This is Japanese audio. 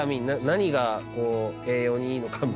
何が栄養にいいのかみたいな。